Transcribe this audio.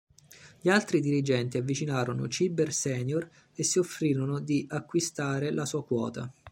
Gli altri dirigenti avvicinarono Cibber senior e si offrirono di acquistare la sua quota.